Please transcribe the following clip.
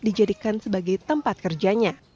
dijadikan sebagai tempat kerjanya